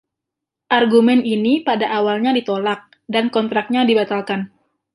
Argumen ini pada awalnya ditolak, dan kontraknya dibatalkan.